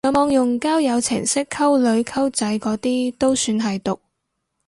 上網用交友程式溝女溝仔嗰啲都算係毒！